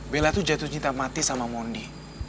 bella itu jatuh cinta mati sama mondi